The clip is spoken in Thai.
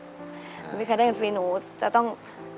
ครับนะครับถ้าไม่เคยได้เงินฟรีหนูจะต้อง